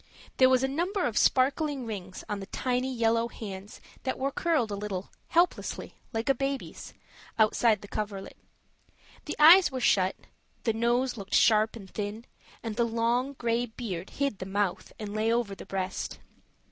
There was a number of sparkling rings on the tiny yellow hands, that were curled a little, helplessly, like a baby's, outside the coverlet; the eyes were shut, the nose looked sharp and thin, and the long gray beard hid the mouth and lay over the breast.